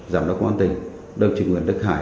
giám đốc công an tỉnh đồng chí nguyễn đức hải